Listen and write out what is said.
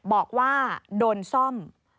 บอกว่าโดนซ่อม